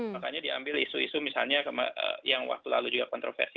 makanya diambil isu isu misalnya yang waktu lalu juga kontroversi